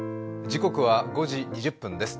時刻は５時２０分です。